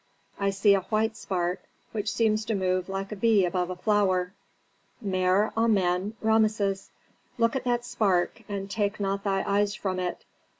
"I see a white spark which seems to move like a bee above a flower." "Mer Amen Rameses, look at that spark and take not thy eyes from it.